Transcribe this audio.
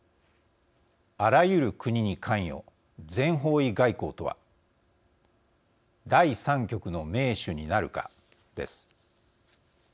あらゆる国に関与全方位外交とは第３極の盟主になるかです。